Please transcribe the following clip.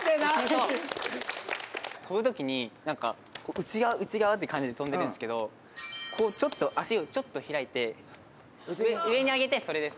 内側内側って感じで跳んでるんですけどこうちょっと足をちょっと開いて上に上げてそれです！